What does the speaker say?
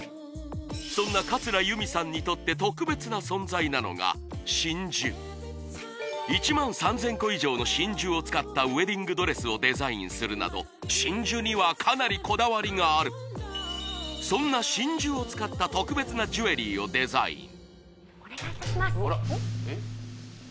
そんな桂由美さんにとって特別な存在なのが真珠１万３０００個以上の真珠を使ったウエディングドレスをデザインするなど真珠にはかなりこだわりがあるそんな真珠を使った特別なジュエリーをデザインお願いいたしますえっ？